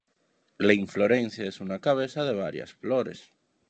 La inflorescencia es una cabeza de varias flores.